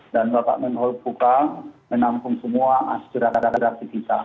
dan bapak menko polukam menampung semua asyikirat asyikirat kita